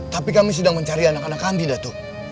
tapi kami sedang mencari anak anak andi dato